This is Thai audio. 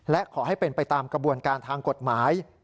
และขอให้เป็นไปตามกระบวนการทางกฎหมาย